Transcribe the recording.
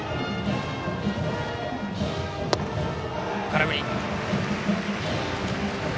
空振り。